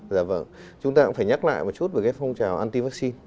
dạ vâng chúng ta cũng phải nhắc lại một chút về cái phong trào anti vaccine